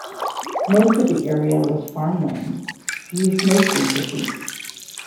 Most of the area was farmland, used mostly for sheep.